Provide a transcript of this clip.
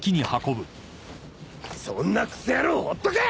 そんなくそ野郎ほっとけ！